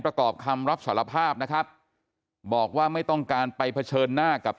ประกอบคำรับสารภาพนะครับบอกว่าไม่ต้องการไปเผชิญหน้ากับ